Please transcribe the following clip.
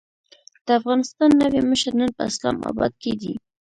د افغانستان نوی مشر نن په اسلام اباد کې دی.